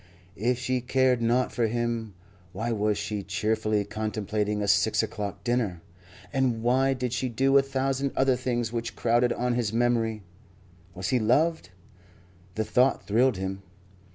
If she cared naught for him, why was she cheerfully contemplating a six o'clock dinner? And why did she do a thousand other things which crowded on his memory? Was he loved? The thought thrilled him.